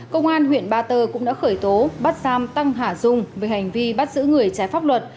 công an huyện ba tơ cũng đã khởi tố bắt giam tăng hà dung về hành vi bắt giữ người trái pháp luật